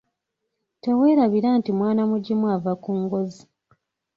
Teweelabira nti mwana mugimu ava ku ngozi.